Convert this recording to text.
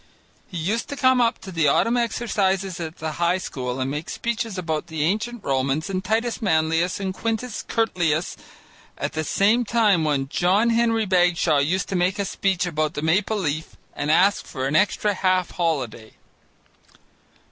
He used to come up to the autumn exercises at the high school and make speeches about the ancient Romans and Titus Manlius and Quintus Curtius at the same time when John Henry Bagshaw used to make a speech about the Maple Leaf and ask for an extra half holiday.